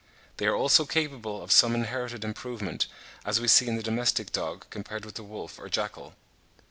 They are also capable of some inherited improvement, as we see in the domestic dog compared with the wolf or jackal.